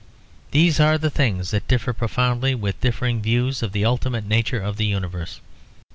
These are the things that differ profoundly with differing views of the ultimate nature of the universe.